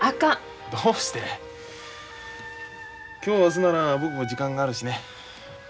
今日明日なら僕も時間があるしね。